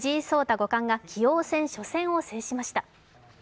五冠が棋王戦初戦を制しました。